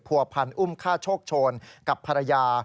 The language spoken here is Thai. ผัวพันอุ้มฆ่าโชคโชนกับภรรยา